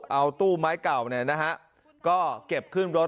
เอาตู้ไม้เก่าเนี่ยนะฮะก็เก็บขึ้นรถ